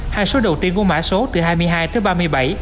hai số đầu tiên của mã số từ hai mươi hai tới ba mươi bảy